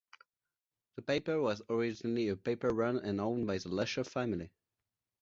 The paper was originally a paper run and owned by the Lesher family.